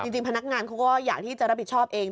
จริงพนักงานเขาก็อยากที่จะรับผิดชอบเอง